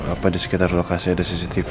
apa di sekitar lokasi ada cctv